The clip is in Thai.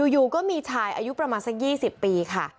อยู่ก็มีชายอายุประมาณสัก๒๐ปีค่ะ